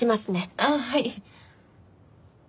あっはい。